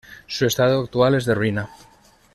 Su estado actual es de ruina.